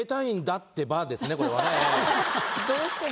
どうしても？